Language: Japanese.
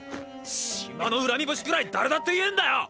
島の恨み節くらい誰だって言えんだよ！！